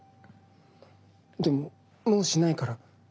でももうしないから。